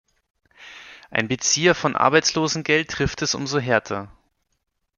Einen Bezieher von Arbeitslosengeld trifft es umso härter.